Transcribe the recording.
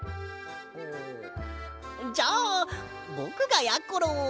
うんじゃあぼくがやころを。